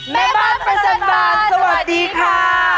แม่บ้านประจำบานสวัสดีค่ะ